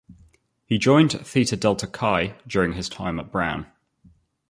He joined Theta Delta Chi during his time at Brown.